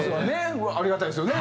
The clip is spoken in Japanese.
ありがたいですよね。